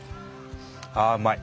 あうまい。